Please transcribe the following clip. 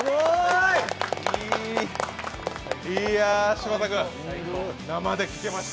嶋佐君、生で聴けました。